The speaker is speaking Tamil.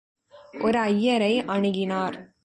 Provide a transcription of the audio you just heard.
ஒரு ஐயரை அணுகினார்.